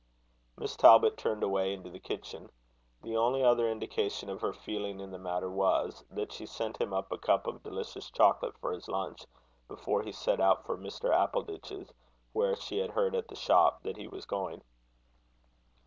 Miss Talbot turned away into the kitchen. The only other indication of her feeling in the matter was, that she sent him up a cup of delicious chocolate for his lunch, before he set out for Mr. Appleditch's, where she had heard at the shop that he was going.